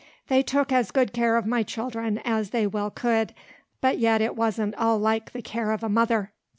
They took as good care of my children as they well could, but yet it wasn't all like the care of a mother.